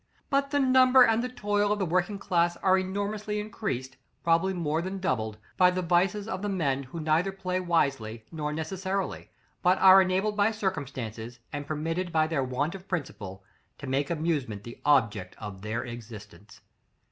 But the number and the toil of the working class are enormously increased, probably more than doubled, by the vices of the men who neither play wisely nor necessarily, but are enabled by circumstances, and permitted by their want of principle, to make amusement the object of their existence.